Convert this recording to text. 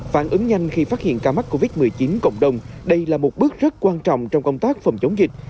phản ứng nhanh khi phát hiện ca mắc covid một mươi chín cộng đồng đây là một bước rất quan trọng trong công tác phòng chống dịch